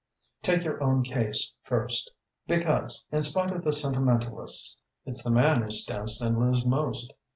"'Take your own case first because, in spite of the sentimentalists, it's the man who stands to lose most.